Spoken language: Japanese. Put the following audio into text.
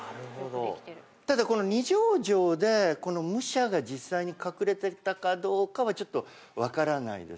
ただこの二条城で武者が実際に隠れていたかどうかは分からないです。